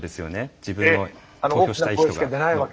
自分の投票したい人が。